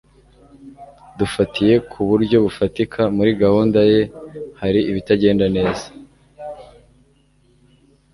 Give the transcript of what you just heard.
dufatiye ku buryo bufatika, muri gahunda ye hari ibitagenda neza